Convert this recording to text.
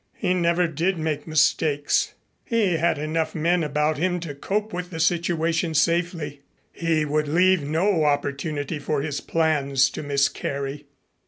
He never did make mistakes. He had enough men about him to cope with the situation safely. He would leave no opportunity for his plans to miscarry.